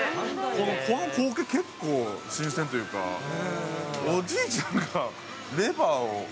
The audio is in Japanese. この光景、結構新鮮というか、おじいちゃんがレバーを。